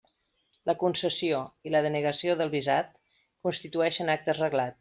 La concessió i la denegació del visat constitueixen actes reglats.